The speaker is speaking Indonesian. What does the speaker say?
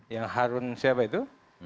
yang harun siapa itu